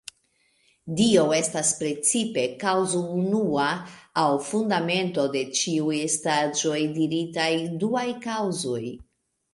Dio estas precipe "kaŭzo unua", aŭ fundamento de ĉiuj estaĵoj diritaj "duaj kaŭzoj”.